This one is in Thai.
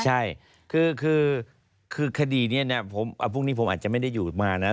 ใช่คือคดีนี้นะพรุ่งนี้ผมอาจจะไม่ได้อยู่มานะ